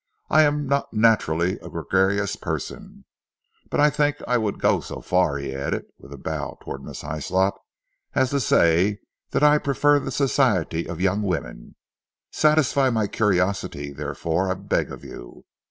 I am not naturally a gregarious person, but I think I would go so far," he added, with a bow towards Miss Hyslop, "as to say that I prefer the society of young women. Satisfy my curiosity, therefore, I beg of you.